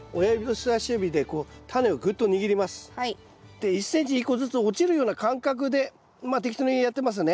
で１ｃｍに１個ずつ落ちるような感覚でまあ適当にやってますね。